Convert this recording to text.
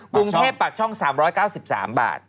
กรุงเทพปากช่อง๓๙๓บาท